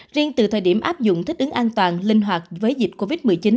riêng từ thời điểm áp dụng thích ứng an toàn linh hoạt với dịch covid một mươi chín